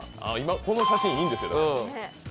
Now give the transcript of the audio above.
この写真、いいんですよね。